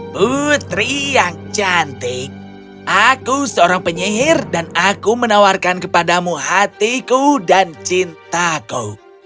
putri yang cantik aku seorang penyihir dan aku menawarkan kepadamu hatiku dan cintaku